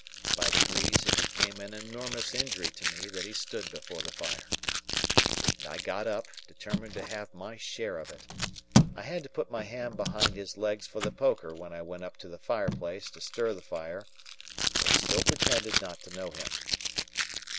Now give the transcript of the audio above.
By degrees it became an enormous injury to me that he stood before the fire. And I got up, determined to have my share of it. I had to put my hand behind his legs for the poker when I went up to the fireplace to stir the fire, but still pretended not to know him.